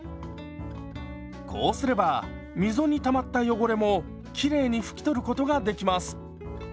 こうすれば溝にたまった汚れもきれいに拭き取ることができます。